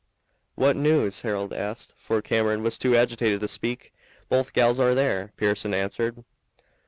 "What news?" Harold asked, for Cameron was too agitated to speak. "Both gals are there," Pearson answered.